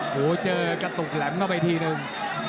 โอ้โหเจอกระตุกแหลมเข้าไปทีนึง